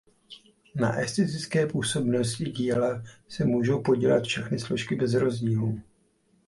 Na estetické působnosti díla se můžou podílet všechny složky bez rozdílů.